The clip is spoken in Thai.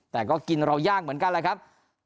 แต่ก็กินเรายากเหมือนกันแหละครับ